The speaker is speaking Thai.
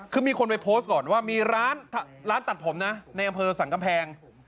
คือมีคนไปโพสต์ก่อนว่ามีร้านตัดผมนะในอำเภอสรรกำแพง